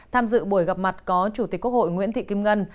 tham dự buổi gặp mặt có chủ tịch quốc hội nguyễn thị kim ngân